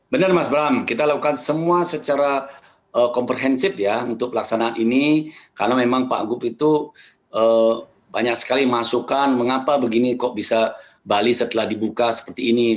benar mas bram kita lakukan semua secara komprehensif ya untuk pelaksanaan ini karena memang pak gup itu banyak sekali masukan mengapa begini kok bisa bali setelah dibuka seperti ini